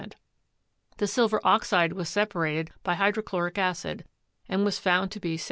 The silver oxide was separated by hydrochloric acid, and was found to be 77.